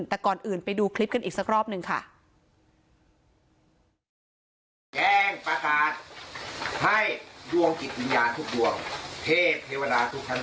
แต่ก่อนอื่นไปดูคลิปกันอีกสักรอบหนึ่งค่ะ